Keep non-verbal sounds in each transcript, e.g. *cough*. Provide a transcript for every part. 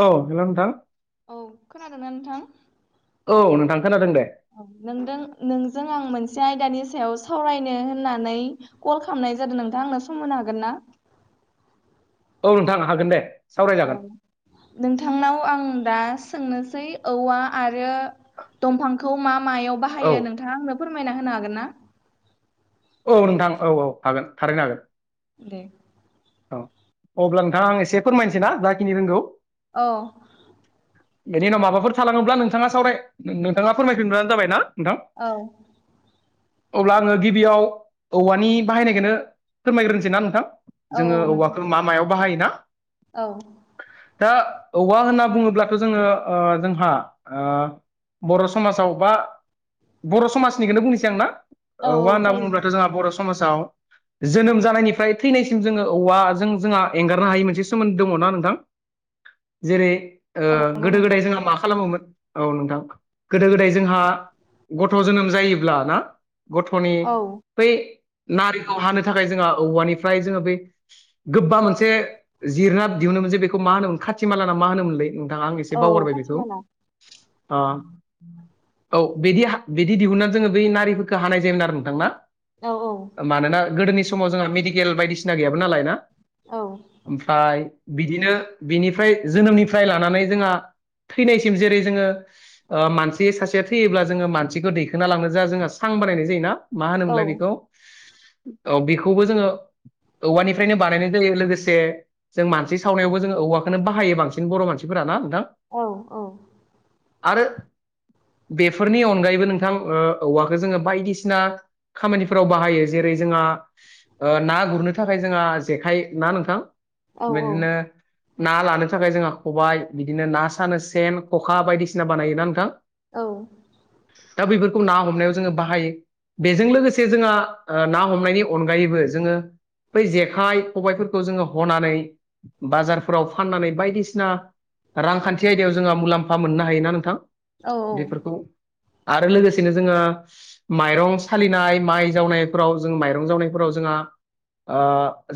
औ हेलौ नोंथां औ खोनादोंना नोंथां? औ नोंथां खोनादों दे औ नोंदों नोंजों आं मोनस से आयदानि सायाव सावरायनो होननानै कल खालामनाय जादों नोंथां। आंनो सम होनो हागोन ना? औ नोंथां हागोन दे। औ सावरायजागोन नोंथांनाव आं दा सोंनोसै औवा आरो दंफांखौ मा मायाव औ बाहायो नोंथाङा आंनो फोरमायना होनो हागोन ना? औ नोंथां औ औ हागोन थारैनो हागोन। दे औ अब्ला नोंथां आं एसे फोरमायनोसै ना जाखिनि रोंगौ औ बेनि उनाव माबाफोर थालाङोब्ला नोंथाङा सावराय नोंथाङा फोरमायफिनब्लानो जाबाय ना नोंथां औ अब्ला आङो गिबियाव औवानि बाहायनायखोनो फोरमायग्रोनसैना नोंथां। औ जोङो नोंथां औवाखो मा मायाव बाहायोना औ दा औवा होनना बुङोब्लाथ' जोङो ओ जोंहा ओ बर' समाजाव बा बर' समाजनिखोनो बुंसै आं ना? औ औवा औ होनना जायो बुङोब्लाथ' जोंहा बर' समाजाव जोनोम जानायनिफ्राय थैनाय थिं जोङो औवा जों जोंहा एंगारनो हायै मोनसे सोमोन्दो दङ' ना नोंथां जेरै ओ औ नंगौ गोदो गोदाय नोंथां जोंहा मा खालामोमोन औ नोंथां। गोदो गोदाय जोंहा गथ' जोनोम जायोब्ला ना गथ'नि औ बै नारिखौ हानो थाखाय जोंहा औवानिफ्राय जोङो बै गोबा मोनसे जिरना दिहुनो मोन जे बेखौ मा होनोमोन खाथि माला ना मा होनोमोनलै? नोंथां आं एसे औ बावगारबाय बेखौ। खाथिमाला आ औ बिदि हा बिदि दिहुनना जोङो बै नारिफोरखौ हानाय जायोमोन आरो नोंथांना। औ औ मानोना गोदोनि समाव जोंहा मेडिकेल बायदिसिना गैयामोन नालाय ना। औ ओमफ्राय बिदिनो बिनिफ्राय जोनोमनिफ्राय लानानै जोंहा थैनायसिम जेरै जोङो ओ मानसि सासेया थैयोब्ला जोङो मानसिखौ दैखोना लांनो जा जोंहा सां बानायनाय जायोना मा होनो औ मोनलाय बिखौ औ बिखौबो जोङो औवानिफ्रायनो बानायनाय जायो लोगोसे जों मानसि सावनायावबो जोङो औवाखौनो बाहायो बांसिन बर' मानसिफोराना थां औ औ आरो बेफोरनि अनगायैबो नोंथां ओ औवाखो जोङो बायदिसिना खामानिफोराव बाहायो जेरै जोंहा ओ ना गुरनो थाखाय जोंहा जेखाय ना नोंथां बेदिनो औ ना लानो थाखाय जोंहा खबाय बिदिनो ना सानो सेन खखा बायदिसिना बानायोना नोंथां। औ दा बेैफोरखौ ना हमनायाव जोङो बाहायो बेजों लोगोसे जोंहा ओ ना हमनायनि अनगायैबो जोङो बै जेखाइ खबायफोरखौ जोङो हनानै बाजारफोराव फाननानै बायदिसिना रांखान्थि आयदायाव जोंहा मुलाम्फा मोननो हायोना नोंथां औ बेफोरखौ आरो लोगोसेनो जोङो माइरं सालिनाय माइ जावनायफोराव जों माइरं जावनायफोराव जोंहा आ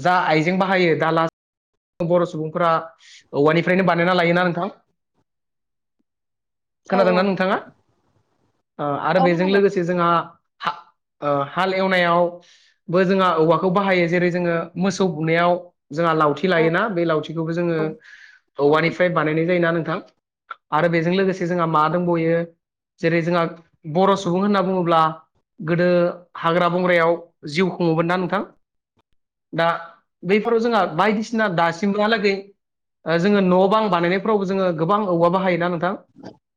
जा आइजें बाहायो दाला बर' सुबुंफोरा औवानिफ्रायनो बानायना लायोना नोंथां औ खोनादोंना औ नोंथाङा? ओ आरो औ बेजों खोनादों लोगोसे जोंहा हा-हाल एवनायावबो जोंहा औवाखौ बाहायो जेरै जोङो मोसौ बुनायाव जोंहा लावथि लायोना बे लावथि खौबो जोङो औ औवानिफ्राय बानायनाय जायोना थां आरो बेजों लोगोसे जोंहा मा दंबयो जेरै जोंहा बर' सुबुं होनना बुङोब्ला गोदो हाग्रा बंग्रायाव जिउ खुङोमोन ना नोंथां। दा बैफोराव जोंहा औ बायदिसिना दासिमबोहालागै जोङो न' बां बानायनायफ्रावबो जोङो गोबां औवा बाहाय ना नों थां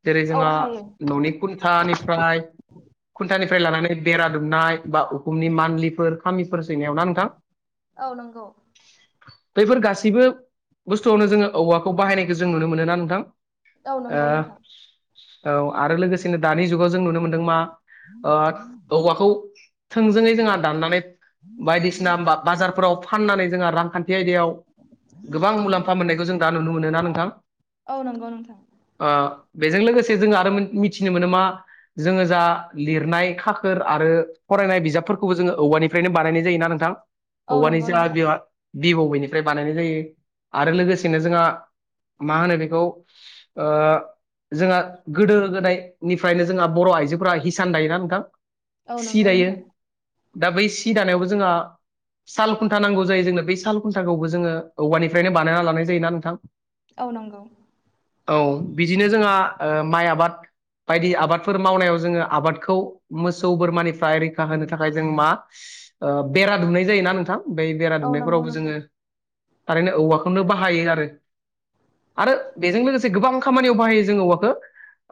जेरै औ जोंहा हायो न'नि खुन्था निफ्राय लानानै बेरा दुमनाय बा उखुमनि मान्लिफोर खामिफोर सैनायाव ना नोंथां। औ नंगौ बैफोर गासिबो बुस्थुआवनो जोङो औवाखौ बाहायनाय जों नुनो मोनो ना नोंथां। औ नंगौ नोंथां औ आरो लोगोसेनो दानि जुगाव जों नुनो मोनदों मा ओ औवाखौ थोंजोङै जोंहा दाननानै बायदिसिना फ्राव फाननानै जोंहा रांखान्थि आयदायाव गोबां मुलाम्फा मोननायखौ जों दा नुनो मोनो ना नोंथां औ नंगौ नोंथां। ओ बेजों लोगोसे जों आरो मिथिनो मोनो मा जोङो जा लिरनाय खाखोर आरो फरायनाय बिजाबफोरखौबो जोङो औवानिफ्रायनो बानायनाय जायोना नोंथां औ औवानि नंगौ जा नोंथां बेयाव बिनिफ्राय बानायनाय जायो आरो लोगोसेनो जोंहा मा होनो बेखौ जोंहा गोदो गोदायनिफ्रायनो जोंहा बर' आइजोफोरा हिसान दायोना नोंथां औ सि नंगौ दायो नोंथां दा बै सि दानायावबो जोंहा साल खुन्था नांगौ जायो जोंनो बे साल खुन्थाखौबो जोङो औवानिफ्रायनो बानायना लानाय जायोना नोंथां औव नंगौ औ बिदिनो जोंहा माइ आबाद बायदि आबादफोर मावनायाव जोङो आबादखौ मोसौ बोरमानिफ्राय रैखा होनो थाखाय जों मा बेरा दुमनाय जायोना नोंथां बै बेरा औ नंगौ दुमनायफोरावबो नोंथां जोङो थारैनो औवाखौनो बाहायो आरो आरो बेजों लोगोसे गोबां खामानियाव बाहायो जोंङो औवाखौ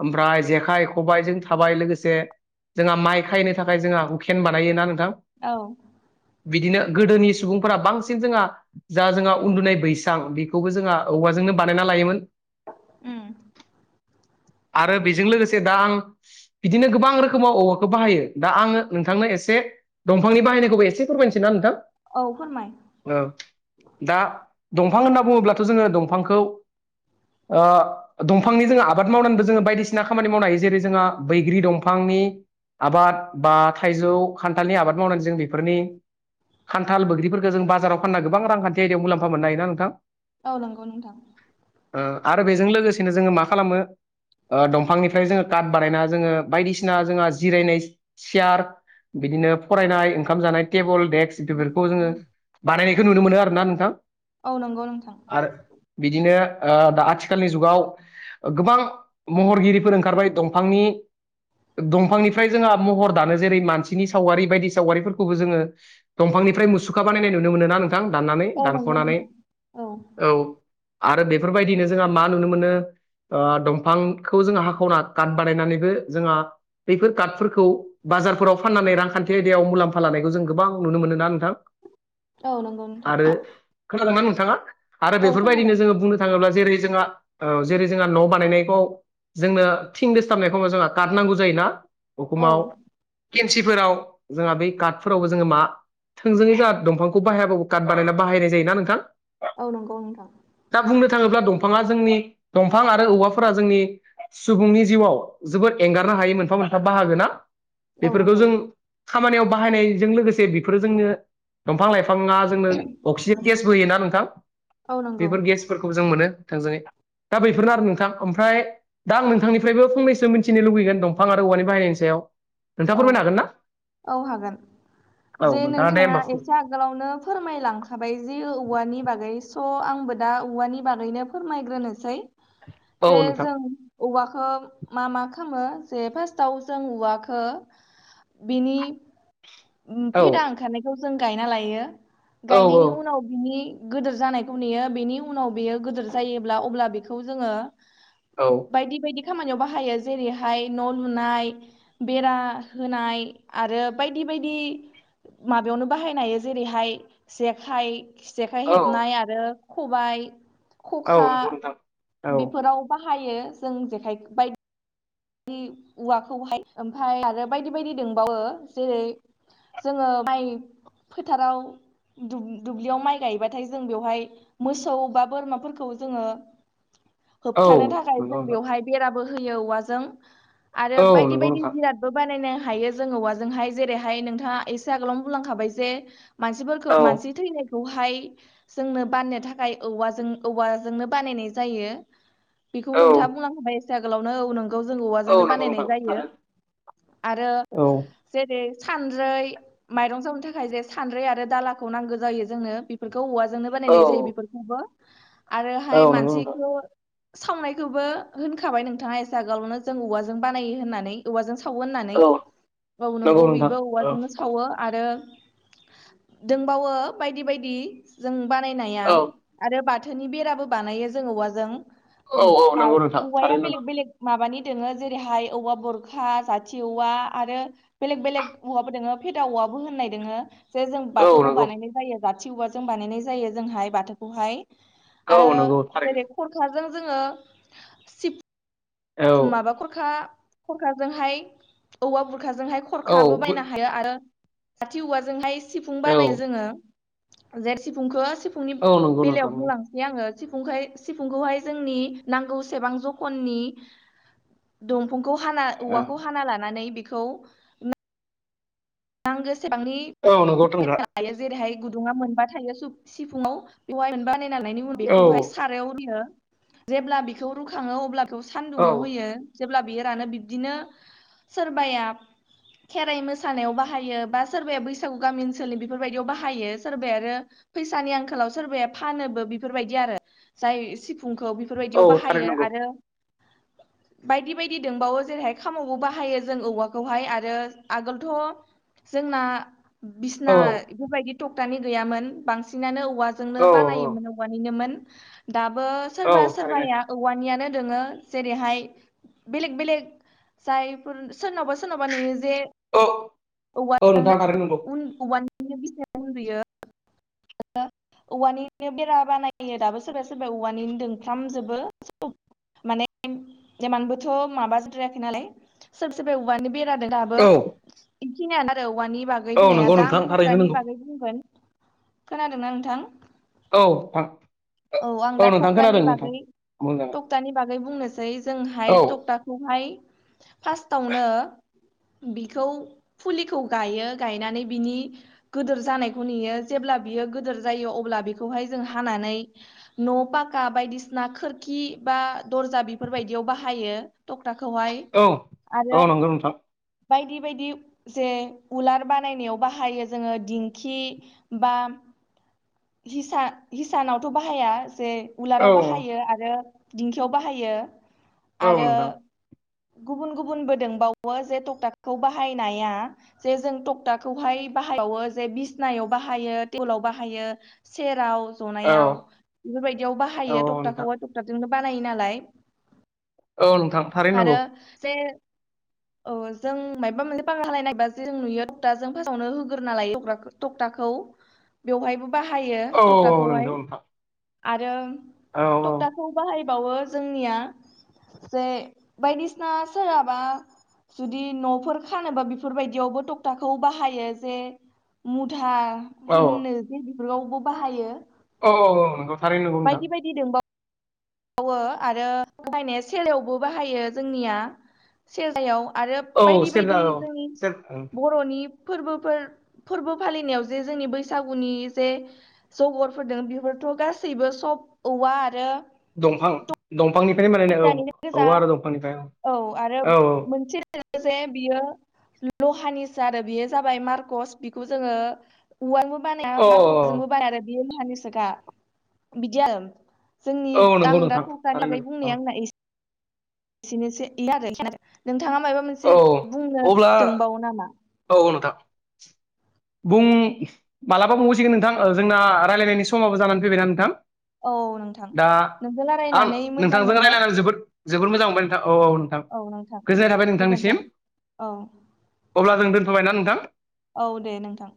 ओमफ्राय जेखाइ खबाइजों थाबाय लोगोसे जोंहा माइ खायनो थाखाय जोंहा उखेन बानायोना नोंथां औ बिदिनो गोदोनि सुबुंफोरा बांसिन जोंहा जा जोंहा उन्दुनाय बैसां बेखौबो जोंहा औवाजों नो बानायना लायोमोन उम *unintelligible* आरो बेजों लोगोसे दा आं बिदिनो गोबां रोखोमाव औवाखौ बाहायो दा आङो नोंथांनो एसे दंफांनि बाहायनायखौबो एसे फोरमायनोसै ना नोंथां औ फोरमाय औ दा दंफां होनना बुङोब्लाथ' जोङो दंफांखौ ओ दंफांनि जोङो आबाद मावनानैबो जोङो बायदिसिना खामानि मावनो हायो जेरै जोंहा बैग्रि दंफां नि आबाद बा थाइजौ खान्थालनि आबाद मावनानै जों बेफोरनि खान्थाल बोग्रिफोरखौ जों बाजाराव फानना गोबां रांखान्थि आयदायाव मुलामफा मोननो हायोना नोंथां औ नोंगौ नोंथां ओ आरो बेजों लोगोसेनो जोङो मा खालामो ओ दंफांनिफ्राय जोङो काट बानायना जोङो बायदिसिना जोंहा जिरायनाय सियार बिदिनो फरायनाय ओंखाम जानाय टेबोल डेक्स बेफोरखौ जोङो बानायनायखौ नुनो मोनो आरोना नोंथां औ नंगौ नोंथां आरो बिदिनो ओ दा आथिखालनि जुगाव गोबां महरगिरिफोर ओंखारबाय दंफांनि दंफांनिफ्राय जोंहा महर दानो जेरै मानसिनि सावगारि बायदि सावगारिफोरखौबो जोङो दंफांनिफ्राय मुसुखा बानायनाय नुनो मोनो ना नों नोंथां दाननानै औ नंगौ दानख'नानै नोंथां औ आरो बेफोरबायदिनो जोंहा मा नुनो मोनो दंफांखौ जोङो हाखावना काट बानायनानैबो जोंहा बैफोर काटफोरखौ बाजारफोराव फाननानै रांखान्थि आयदायाव मुलाम्फा लानायखौ जों गोबां नुनो मोनो ना नोंथां औ नंगौ नोंथां आरो खोनादोंना नोंथां नोंथाङा आरो औ खोनादों बेफोरबायदिनो जोङो बुंनो थाङोब्ला जेरै जोंहा ओ जेरै जोंहा न' बानायनायखौ जोंनो थिं दोसथाबनाय समायाव जोंहा काट नांगौ जायोना औ उखुमाव केन्सिफोराव जोंहा बै काट फोरावबो जोङो मा थोंजोङै जोहा दंफांखौ बाहायाबाबो जोंहा काट बानायना बाहायनाय जायोना नोंथां औ नंगौ नोंथां दा बुंनो थाङोब्ला दंफाङा जोंनि दंफां आरो औवाफोरा जोंनि सुबुंनि जिउआव जोबोद एंगारनो हायै मोनफा मोनफा बाहागो ना औ बेफोरखौ नंगौ जों खामानियाव बाहायनायजों लोगोसे बेफोरो जोंनो दंफां लाइफां बिफाङा जोंनो अक्सिजेन गेसबो होयोना नोंथां औ नंगौ बेफोर गेसफोरखौ जों मोनो थोंजोङै दा बेफोरनो आरो नोंथां ओमफ्राय दा आं नोंथांनिफ्रायबो फंनैसो मिथिनो लुगैगोन दंफां आरो औवानि बाहायनायनि सायाव नोंथाङा औ फोरमायनो हागोन ना औ हागोन। जे औ दे नोंथाङा होमबा एसे आगोलावनो फोरमायलांखाबाय जे औवानि बागै थ' आंबो दा औवानि बागैनो फोरमायग्रोनोसै औ जे नोंथां जों औवाखौ मा मा खालामो जे फास्टाव जों उवाखो खो बिनि औ फेदा ओंखारनायखौ जों गायना लायो। औ गायनायनि उनाव बिनि गोदोर जानायखौ नुयो बेनि उनाव बेयो गोदोर जायोब्ला अब्ला बेखौ जोङो औ बायदि बायदि खामानियाव बाहायो जेरैहाय न' लुनाय बेरा होनाय आरो बायदि बायदि। माबायावनो बाहायनाय हायो जेरैहाय जेखाइ जेखाइ औ हेबनाय आरो खबाइ औ खखा नंगौ नोंथां औ बेफोराव बा हायो जों जेखाइ बायदि औवाखौहाय ओमफ्राय आरो बायदि बायदि दंबावो जेरै जोङो माइ फोथाराव दुब्लियाव माइ गायबाथाय जों बेवहाय मोसौ बा बोरमाफोरखौ जोङो *inaudible* होबथानो थाखाय जों नंगौ नोंथां बेवहाय बेराबो होयो औवाजों आरो औ बायदि नंगौ बायदि नोंथां जिरादबो बानायनाय हायो जों औवाजोंहाय जेरैहाय नोंथाङा एसे आगोलावनो बुंलांखाबाय जे मानसिफोरखौ औ मानसि थैनाय खौहाय जोंनो बाननो थाखाय औवाजों औवाजोंनो बानायनाय जायो। बेखौ औ नोंथाङा बुंलां खाबाय एसे आगोलावनो औ नों बेखौ जों औ औवाजोंनो नंगौ बानायनाय नोंथां जायो थारैनो आरो औ जेरै सानद्रै माइरं जावनो थाखाय जे सानद्रै आरो दालाखौ नांगौ जायो जोंनो बेफोर खौ औवाजोंनो औ बानायनाय जायो बेफोरखौबो। औ आरोहाय नंगौ नोंथां मानसिखौ सावनायखौबो होनखाबाय नोंथाङा ए से जागालाव'नो जों औवाजों बानायो होननानै औवाजों सावो होननानै औ गाव नंगौ नोंथां बेबो औ औवाजोंनो सावो आरो दोंबावो बायदि बायदि जों बानायनाया औ आरो बा थोनि बेराबो बानायो जों औवाजों औ औ नंगौ नोंथां औवाया थारैनो बेलेग नंगौ बेलेग माबानि दोङो जेरैहाय औवा बरखा जाथि औवा आरो बेेलेग बेलेग औवाबो दोङो। दाउआबो होननाय दोङो। जे जों औ बाथौखौ नंगौ बानायनाय जायो जाथि औवाजों बानायनाय जायो जोंहाय बाथौखौहाय। औ आरो नंगौ थारैनो जेरै खरखा जों जोङो औ माबा खरखा खरखाजोंहाय औवा बुरखाजोंहाय औ खरखाबो बायनो हायो आरो जाथि औवाजोंहाय सिफुं औ बानाय जोङो जे सिफुंखौ सिफुंनि औ नंगौ बेलायाव नोंथां बुंलांनोसै आङो। सिफुंखाय सिफुंखौहाय जोंनि नांगौ सेबां जखननि दं फांखौ हाना औवाखौ हाना लानानै बेखौ नांगो सेबांनि औ नंगौ नोंथां लायो जेरैहाय गुदुंङा मोनबा थायो सिफुंङाव बेवहाय मोनबा बानायनानैनायनि उनाव औ बेखौहाय सारायाव होयो जेब्ला बेखौ रुखाङो अब्ला बेखौ औ सान्दुङाव होयो। जेब्ला बियो रानो बिब्दिनो सोरबाया खेराइ मोसानायाव बा हायो बा सोरबाया बैसागु गामि ओनसोलनियाव बेफोरबादियाव बाहायो सोरबाया आरो फैसानि आंखालाव सोरबाया फानोबो बेफोरबायदि आरो जाय सिफुंखौ औ बेफोरबायदियाव थारैनो बाहायो नंगौ आरो *inaudible* बायदि बायदि दोंबावो जेरैहाय खामावबो बाहायो जों औवाखौहाय आरो आगोलथ' जोंना बिसना औ बेफोरबायदि टकटानि गैयामोन बांसिनानो औवाजोंनो औ बानायोमोन औवानिनोमोन दाबो औ सोरबा थारैनो सोरबाया औवानियानो दोङो जेरैहाय बेलेक बेलेक जायफोर सोरनावबा सोरनावबा नुयो जे औ औवा औ नोंथां थांनो थारैनो नंगौ उन औवानो बिसनायाव उन्दुयो औवानिनो बेरा बानायो दाबो सोरबाया सोरबाया औवानि दोंफ्रामजोबो माने इमानबोथ' माबाजाथ्रायाखै नालाय सोर सोरबा औवानि बे दाबो औ बेखिनियानो आरो औवानि बागै औ बुंनाया नंगौ दा आं नोंथां थारैनो टकथानिनि नंगौ बागै बुंगोन खोनादोंना नोंथां औ नोंथां औ आं दा खोनादों थकथानि नोंथां बागै बुंजागोन टकटानि बागै बुंनोसै जोंहाय औ टकटाखौहाय फार्स्टावनो बिखौ फुलिखौ गायो गायनानै बिनि गोदोर जानायखौ नुयो जेब्ला बियो गोदोर जायो अब्ला बेखौ हाय जों हानानै न' पाका बायदिसिना खिरकि बा दरजा बेफोर बायदियाव बाहायो टकटाखौहाय औ आरो औ नंगौ नोंथां बायदि बायदि जे उलार बानायनायाव बाहायो जोङो दिंखि बा हिसा हिसानावथ' बाहाया जे उलाराव औ बाहायो आरो दिंखियाव बाहायो औ आरो नोंथां गुबुन गुबुनबो दंबावो जे टकटाखौ बाहायनाया जे जों टकटाखौहाय बा बाहायबावो जे बिसनायाव बाहायो टेबोलाव बाहायो। सेराव औ जनायाव बेफोरबायदियाव औ बाहायो नोंथां टकटाखौहाय टकटाजोंनो बानायो नालाय औ नोंथां थारैनो आरो नंगौ जे *inaudible* अ जों मायबा मोनसे बाङा हालायनायबा जों नुयो टकटाजों *unintelligible* फास्सावनो होग्रोना लायो टकटाखौ बेवहायबो बाहायो औ औ औ टकटाखौहाय नंगौ नोंथां आरो औ टकटाखौ बाहायबावो जोंनिया जे बायदिसिना सोरहाबा जुदि न'फोर खानोबा बेफोरबायदियावबो टकथाखौ बाहायो जे मुथा औ होननो जे बेफोरावबो बाहायो। औ औ औ नोंखौ थारैनो नंगौ नोंथां। आवो आरो बाहायनाया सेलायावबो बाहायो जोंनिया सेलायाव आरो औ बायदि बायदि सेरजा औ जों सेर बर'नि फोरबोफोर फोरबो फालिनायाव जे जोंनि बैसागुनि जे जगरफोर बेफोर थ' गासैबो सब औवा आरो दंफां दं फांनिफ्रायनो बानाय औ टक्टानिनो गोजा औ आरो दंफां दफांनिफ्राय औ औ औ *unintelligible* *unintelligible* जे बियो लहानिसो आरो बेयो जाबाय मारकस बेखौ जोङो औवा बानाया औ टकटाजोंबो बानाया आरो बियो माहानिसोखा बिदि आरो जोंनि औ नंगौ आं दा नोंथां थारैनो थसानिलागै औ बुंनाया आंना ए सेनोसै आरो नोंथाङा माबा औ मोनसे बुंनो अब्ला दंबावो नामा? *inaudible* बुं मालाबा बुंबावसिगोन नोंथां जोंना रायलायनायनि समाबो जानानै फैबायना नोंथां। औ नोंथां दा नोंजों आं रायलायनानै मोजां नोंथांजों मोनबाय रायज्लायनानै जोबोद जोबोद मोजां मोनबाय नोंथां औ औ नोंथां औ नोंथां गोजोननाय थाबाय नोंथांनिसिम गोजोनथों औ ओंं दोनथ' बायना नोंथां। औ दे नोंथां